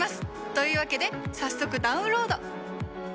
というわけで早速ダウンロード！